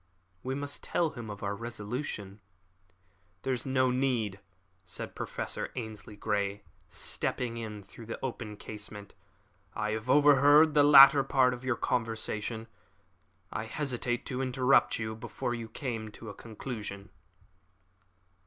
"We must tell him our resolution." "There is no need," said Professor Ainslie Grey, stepping in through the open casement. "I have overheard the latter part of your conversation. I hesitated to interrupt you before you came to a conclusion."